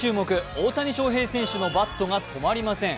大谷翔平選手のバットが止まりません。